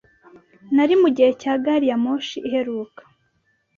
Nari mugihe cya gari ya moshi iheruka.